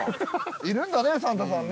いるんだねサンタさんね。